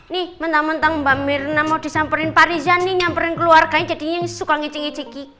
nih mentang mentang mbak mirna mau disamperin pak riza nih nyamperin keluarganya jadinya suka ngicing ngiciki